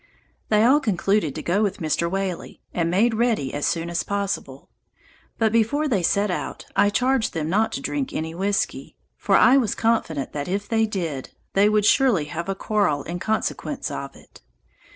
They all concluded to go with Mr. Whaley, and made ready as soon as possible. But before they set out I charged them not to drink any whiskey; for I was confident that if they did, they would surely have a quarrel in consequence of it.